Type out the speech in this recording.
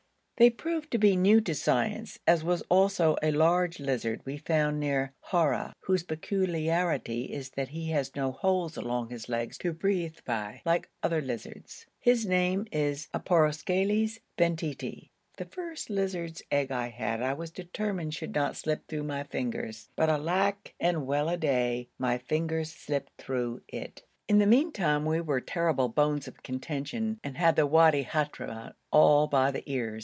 They proved to be new to science, as was also a large lizard we had found near Haura, whose peculiarity is that he has no holes along his legs to breathe by, like other lizards. His name is Aporosceles Bentii. The first lizard's egg I had I was determined should not slip through my fingers; but alack! and well a day! my fingers slipped through it. In the meantime we were terrible bones of contention, and had the Wadi Hadhramout all by the ears.